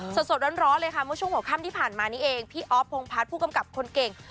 สดสดร้อนร้อนเลยค่ะผู้ชมหัวค่ำที่ผ่านมานี้เองพี่ออฟพงภัทต์ผู้กำกลับคนเก่ง